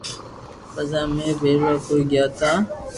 پسي امي ڀيراڪوئي گيا تا